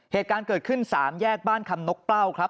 เหตุการณ์เกิดขึ้น๓แยกบ้านคำนกเปล้าครับ